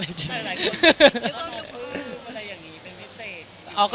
หลายคนนึกว่าทุกคืออะไรอย่างนี้เป็นพิเศษ